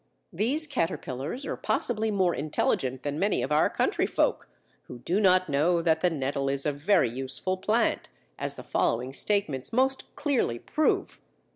These caterpillars are possibly more intelligent than many of our country folk, who do not know that the nettle is a very useful plant, as the following statements most clearly prove.